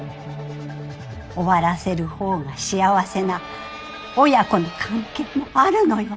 終わらせるほうが幸せな親子の関係もあるのよ。